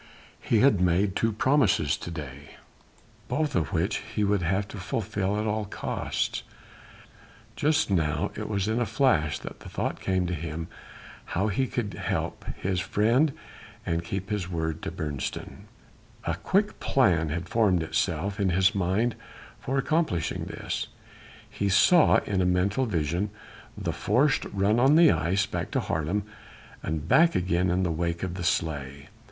He had made two promises to day, both of which he would have to fulfil at all costs. Just now, it was in a flash, that the thought came to him how he could help his friend and yet keep his word to Beresteyn. A quick plan had formed itself in his mind for accomplishing this he saw in a mental vision the forced run on the ice back to Haarlem and back again in the wake of the sleigh.